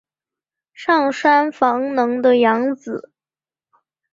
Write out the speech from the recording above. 上杉房能的养子。